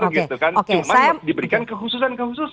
cuman diberikan kehususan kehususan